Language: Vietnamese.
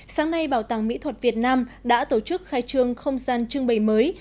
sáng nay bảo tàng mỹ thuật việt nam đã tổ chức khai trương không gian trưng bày mới